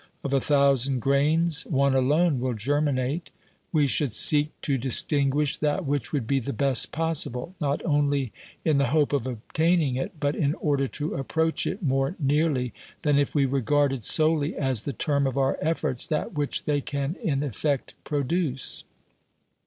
Of a thousand grains, one alone will germinate. We should seek to distin guish that which would be the best possible, not only in the hope of obtaining it, but in order to approach it more nearly than if we regarded solely as the term of our efforts that which they can in effect produce.